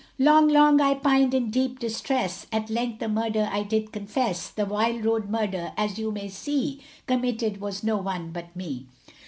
Long, long I pined in deep distress, At length the murder I did confess, The vile Road murder, as you may see, Committed was no one but me.